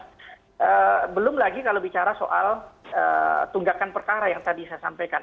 belum lagi kalau bicara soal tunggakan perkara yang tadi saya sampaikan